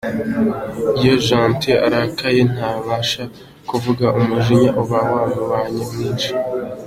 Iyo Gentil arakaye ntabasha kuvuga umujinya uba wamubanye mwinshi.